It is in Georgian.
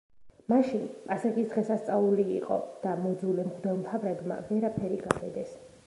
მაშინ პასექის დღესასწაული იყო და მოძულე მღვდელმთავრებმა ვერაფერი გაბედეს.